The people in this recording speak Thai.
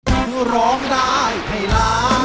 คุณร้องได้ไหมละ